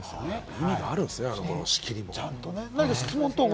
意味があるんですね、仕切りも。